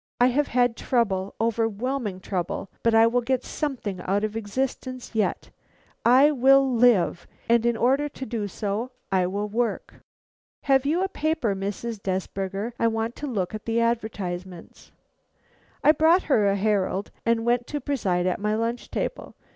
I have had trouble, overwhelming trouble, but I will get something out of existence yet. I will live, and in order to do so, I will work. Have you a paper, Mrs. Desberger, I want to look at the advertisements?' I brought her a Herald and went to preside at my lunch table.